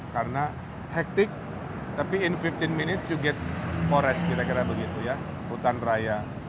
karena hektik tapi dalam lima belas menit kita bisa lihat hutan raya